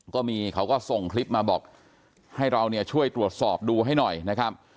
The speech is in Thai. ก็มีเขาก็ส่งคลิปมาบอกให้เราเนี่ยช่วยตรวจสอบดูให้หน่อยนะครับ